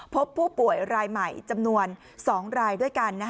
พบผู้ป่วยรายใหม่จำนวน๒รายด้วยกัน